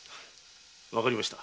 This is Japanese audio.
わかりました。